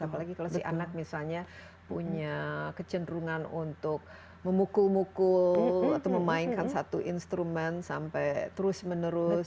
apalagi kalau si anak misalnya punya kecenderungan untuk memukul mukul atau memainkan satu instrumen sampai terus menerus